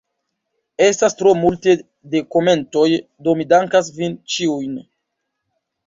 Estas tro multe de komentoj, do mi dankas vin ĉiujn.